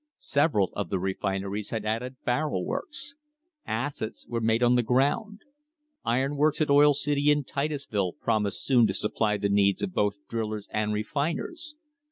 Several of the refineries had added barrel works. Acids were made on the ground. Iron works at Oil City and Titusville promised soon to supply the needs of both drillers and refiners.